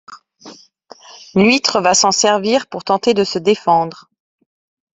l'huître va s'en servir pour tenter de se défendre.